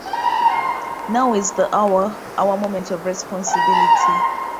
Now is the hour, Our moment of responsibility.